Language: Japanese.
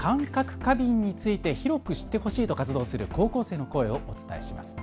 過敏について広く知ってほしいと活動する高校生の声をお伝えします。